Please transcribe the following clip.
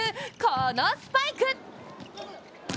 このスパイク。